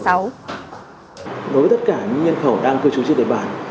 đối với tất cả những nhân khẩu đang cư trú trên đề bản